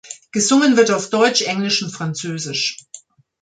Gesungen wird auf Deutsch, Englisch und Französisch.